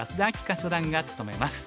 夏初段が務めます。